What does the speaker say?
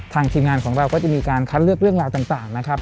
ทีมงานของเราก็จะมีการคัดเลือกเรื่องราวต่างนะครับ